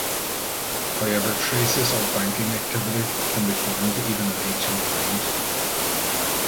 However, traces of banking activity can be found even in ancient times.